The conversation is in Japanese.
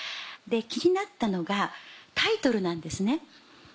気になったのがタイトルなんですね。